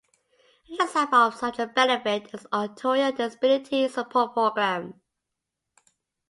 An example of such a benefit is the Ontario Disability Support Program.